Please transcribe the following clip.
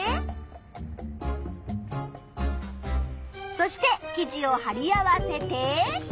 そして記事をはり合わせて。